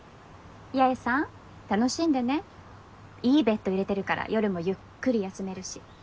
八重さん楽しんでねいいベッド入れてるから夜もゆっくり休めるし。